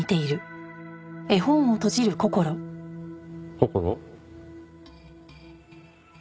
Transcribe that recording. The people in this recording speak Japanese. こころ？